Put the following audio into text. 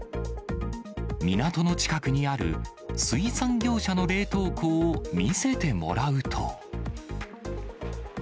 港の近くにある水産業者の冷凍庫を見せてもらうと。